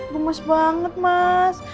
gemas banget mas